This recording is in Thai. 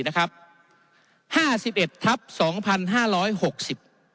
ห้าสิบเอ็ดทับสองพันห้าร้อยหกสิบ